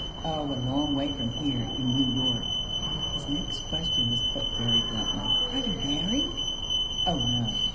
"Oh, a long way from here! In New York." His next question was put very bluntly. "Are you married?" "Oh no!"